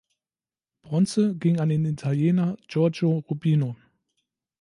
Bronze ging an den Italiener Giorgio Rubino.